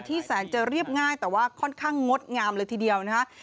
แสนจะเรียบง่ายแต่ว่าค่อนข้างงดงามเลยทีเดียวนะคะ